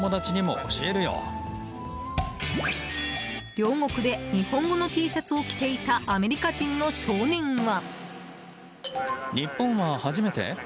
両国で日本語のＴシャツを着ていたアメリカ人の少年は。